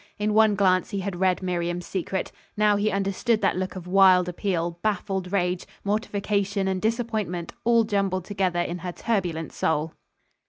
In one glance he had read Miriam's secret. Now he understood that look of wild appeal, baffled rage, mortification and disappointment, all jumbled together in her turbulent soul.